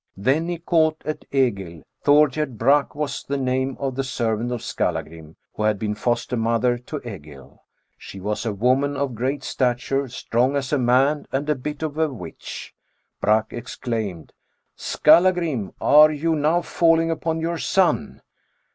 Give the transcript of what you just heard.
Then he caught at Egill. Thorgerd BrAk was the name of a servant of Skallagiim, who had been foster mother to Egill. She was a woman of great stature, strong as a man and a bit of a witch. Brak exclaimed, —^ Skallagrim ! are you now falling upon your son